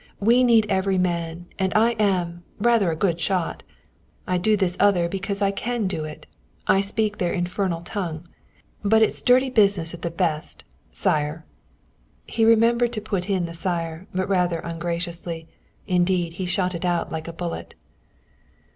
"We need every man, and I am rather a good shot. I do this other because I can do it. I speak their infernal tongue. But it's dirty business at the best, sire." He remembered to put in the sire, but rather ungraciously. Indeed he shot it out like a bullet.